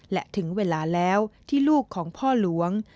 และถึงเวลาแล้วที่ลูกของพ่อหลวง